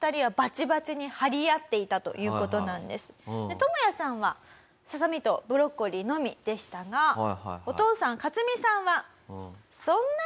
トモヤさんはササミとブロッコリーのみでしたがお父さんカツミさんは。